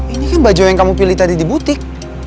ini kan baju yang kamu pilih tadi di butik